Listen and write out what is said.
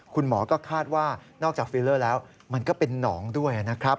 คุณหมอก็คาดว่านอกจากฟิลเลอร์แล้วมันก็เป็นหนองด้วยนะครับ